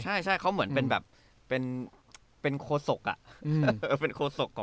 ใช่ใช่เขาเหมือนเป็นโคสก